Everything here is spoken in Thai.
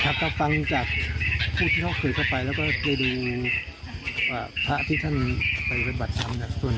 ครับต้องฟังจากพูดที่ทำเครือเข้าไปแล้วก็ให้ดูว่าภะที่ท่านไปไว้บัดทำทางส่วน